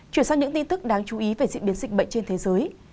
chuyển sang những tin tức đáng chú ý về diễn biến dịch bệnh trên thế giới